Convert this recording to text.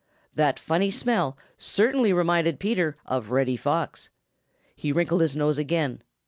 That funny smell certainly reminded Peter of Reddy Fox. He wrinkled his nose again.